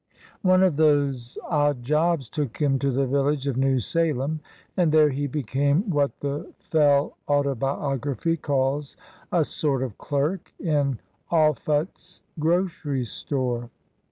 One of those odd jobs took him to the village of New Salem, and there he became what the Fell autobiography calls "a sort of clerk" in Offutt's grocery store.